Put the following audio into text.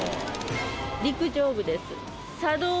陸上部です。